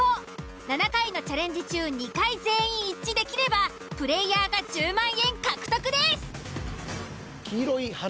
７回のチャレンジ中２回全員一致できればプレイヤーが１０万円獲得です。